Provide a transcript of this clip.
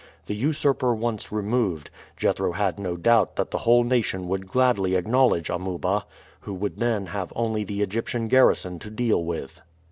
The usurper once removed, Jethro had no doubt that the whole nation would gladly acknowledge Amuba, who would then have only the Egyptian garrison to deal with.